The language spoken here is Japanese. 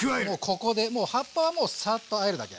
ここで葉っぱはもうサッとあえるだけ。